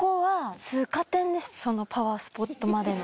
そのパワースポットまでの。